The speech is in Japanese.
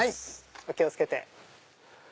お気を付けて。